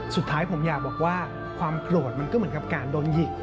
สุดท้ายผมอยากบอกว่าความโกรธมันก็เหมือนกับการโดนหยิก